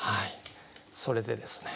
それでですね